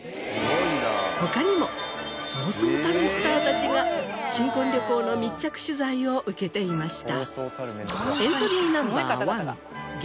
他にもそうそうたるスターたちが新婚旅行の密着取材を受けていました。